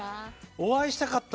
お会いしたかった。